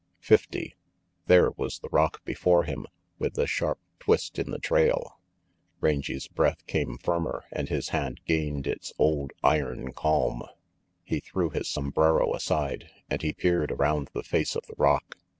Fifty! There was the rock before him, with the sharp twist in the trail. RANGY PETE 329 Rangy's breath came firmer, and his hand gained its old, iron calm. He threw his sombrero aside, and he peered around the face of the rock.